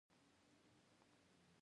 زخمي کېدل ستونزمن نه دي.